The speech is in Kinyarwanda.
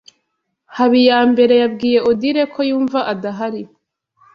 Habiyambere yabwiye Odile ko yumva adahari.